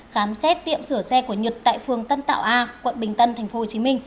khám xét tiệm sửa xe của nhật tại phường tân tạo a quận bình tân tp hcm